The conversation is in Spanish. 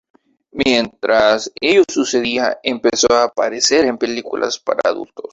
Mientras ello sucedía empezó a aparecer en películas para adultos.